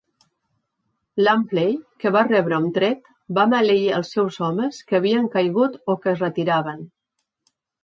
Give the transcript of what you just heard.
Lampley, que va rebre un tret, va maleir els seus homes que havien caigut o que es retiraven.